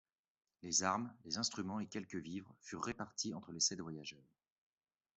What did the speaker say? Les armes, les instruments et quelques vivres furent répartis entre les sept voyageurs.